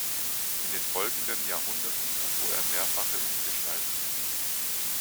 In den folgenden Jahrhunderten erfuhr er mehrfache Umgestaltungen.